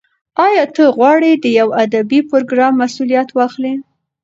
ایا ته غواړې د یو ادبي پروګرام مسولیت واخلې؟